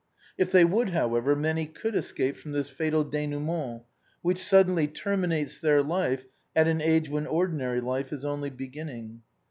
If they would, however, many could escape from this fatal denouement which suddenly terminates their life at an age when ordinary life is only beginning.